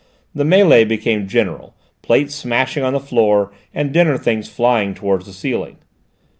The mêlée became general, plates smashing on the floor, and dinner things flying towards the ceiling.